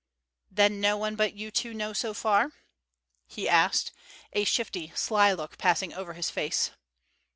"Then no one but you two know so far?" he asked, a shifty, sly look passing over his face.